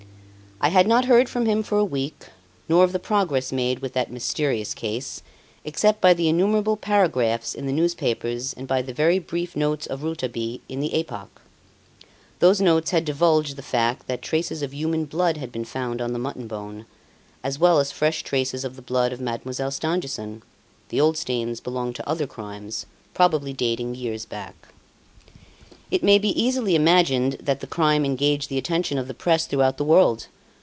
I had not heard from him for a week, nor of the progress made with that mysterious case, except by the innumerable paragraphs in the newspapers and by the very brief notes of Rouletabille in the "Epoque." Those notes had divulged the fact that traces of human blood had been found on the mutton bone, as well as fresh traces of the blood of Mademoiselle Stangerson the old stains belonged to other crimes, probably dating years back. It may be easily imagined that the crime engaged the attention of the press throughout the world.